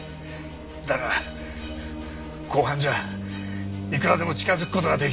だが公判じゃいくらでも近づく事が出来る。